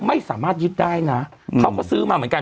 ไม่สามารถยึดได้นะเขาก็ซื้อมาเหมือนกัน